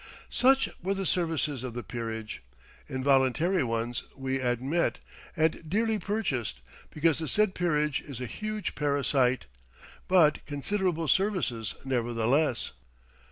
Such were the services of the peerage. Involuntary ones, we admit, and dearly purchased, because the said peerage is a huge parasite. But considerable services, nevertheless.